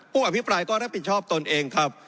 อภิปรายก็รับผิดชอบตนเองครับ